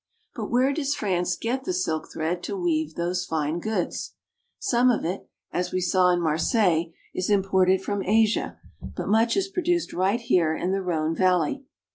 But where does France get the silk thread to weave these fine goods ? Some of it, as we saw at Marseilles, is im ported from Asia, but much is produced right here in the Rhone valley.